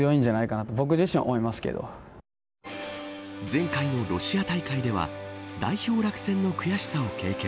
前回のロシア大会では代表落選の悔しさを経験。